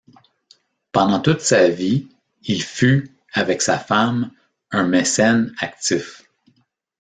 Pendant toute sa vie, il fut, avec sa femme un mécène actif.